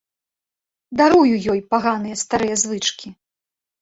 Дарую ёй паганыя старыя звычкі.